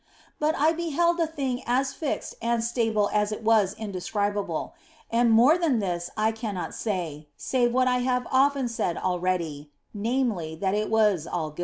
But OF FOLIGNO 177 I beheld a thing as fixed and stable as it was indescribable ; and more than this I cannot say, save what I have often said already, namely, that it was all good.